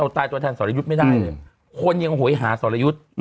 ตายตัวแทนสรยุทธ์ไม่ได้เลยคนยังโหยหาสรยุทธ์